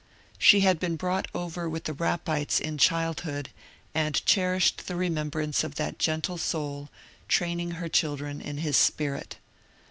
She had been brought over with the Rappites in childhood, and cherished the remembrance of that gentle soul, training her children in his spirit.